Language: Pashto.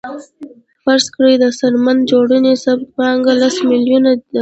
فرض کړئ د څرمن جوړونې ثابته پانګه لس میلیونه ده